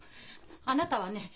あなたはね